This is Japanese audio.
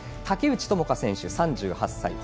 竹内智香選手、３８歳。